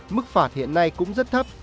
mức phạt hiện nay cũng rất thấp